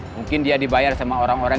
mungkin dia dibayar sama orang orang